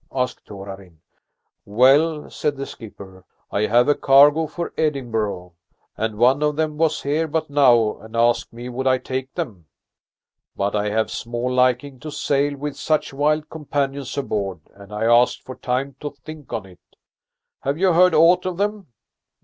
asked Torarin. "Well," said the skipper, "I have a cargo for Edinburgh, and one of them was here but now and asked me would I take them. But I have small liking to sail with such wild companions aboard and I asked for time to think on it. Have you heard aught of them?